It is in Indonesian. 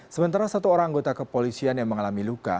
sementara satu orang anggota kepolisian yang mengalami luka